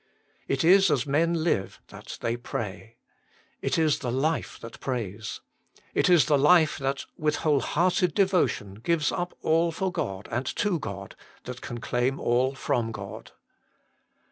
It is as men live that they pray. It is the life that prays. It is the life that, with whole hearted devotion, gives up all for God and to God, that can claim all from God.